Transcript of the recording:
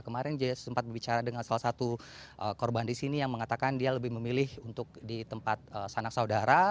kemarin dia sempat berbicara dengan salah satu korban di sini yang mengatakan dia lebih memilih untuk di tempat sanak saudara